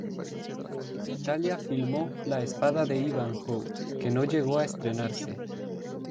En Italia filmó "La espada de Ivanhoe", que no llegó a estrenarse.